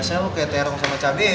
biasanya lu kayak terong sama cabenya